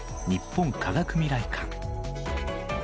日本科学未来館。